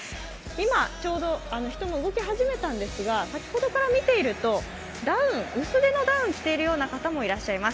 今、ちょうど人が動き始めたんですが、先ほどから見ていると薄手のダウン着ている方もいらっしゃいます。